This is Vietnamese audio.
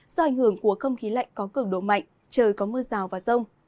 do ảnh hưởng của không khí lạnh có cường độ mạnh trời có mưa rào và rông